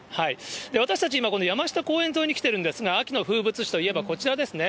私たち、今、この山下公園沿いに来てるんですが、秋の風物詩といえば、こちらですね。